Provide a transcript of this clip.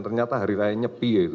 ternyata hari raya nyepi ya itu